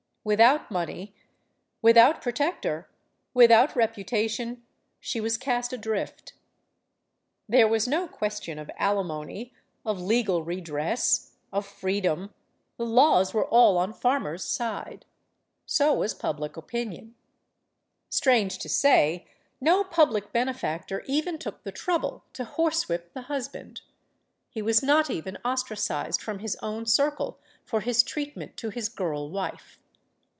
Without money, with out protector, without reputation, she was cast adrift. There was no question of alimony, of legal redress, of freedom; the laws were all on Farmer's side. So was public opinion. Strange to say, no public bene factor even took the trouble to horsewhip the husband. He was not even ostracized from his own circle for his treatment to his girl wife.